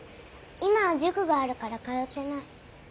今は塾があるから通ってない。